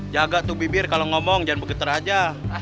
jaga tuh bibir kalo ngomong jangan begitu aja